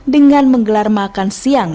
dengan menggelar makan siang